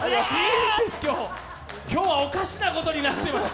今日はおかしなことになってます。